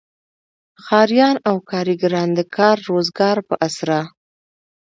ښاریان او کارګران د کار روزګار په اسره.